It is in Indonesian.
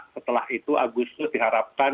setelah itu agustus diharapkan